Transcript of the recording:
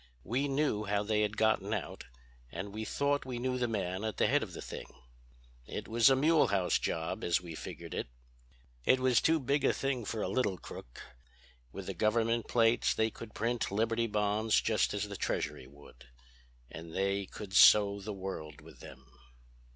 We knew how they had gotten out, and we thought we knew the man at the head of the thing. It was a Mulehaus job, as we figured it. "It was too big a thing for a little crook. With the government plates they could print Liberty Bonds just as the Treasury would. And they could sow the world with them."